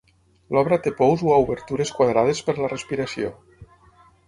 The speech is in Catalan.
L'obra té pous o obertures quadrades per la respiració.